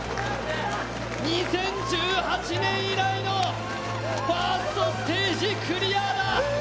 ２０１８年以来のファーストステージクリアだ。